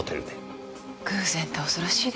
偶然って恐ろしいですわねぇ。